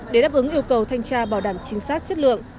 để đáp ứng yêu cầu thanh tra bảo đảm chính xác chất lượng